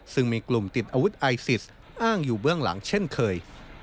ซึ่งมีกลุ่มติดอาวุธไอซิสอ้างอยู่เบื้องหลังเช่นเคย